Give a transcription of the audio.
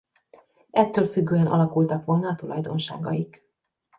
Ettől függően alakultak volna a tulajdonságaik.